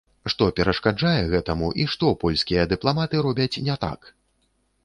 Што перашкаджае гэтаму і што польскія дыпламаты робяць не так?